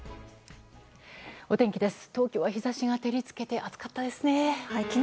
お天気です。